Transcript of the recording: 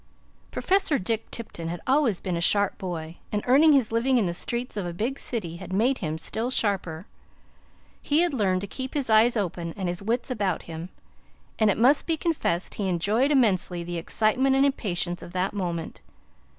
Professor Dick Tipton had always been a sharp boy, and earning his living in the streets of a big city had made him still sharper. He had learned to keep his eyes open and his wits about him, and it must be confessed he enjoyed immensely the excitement and impatience of that moment.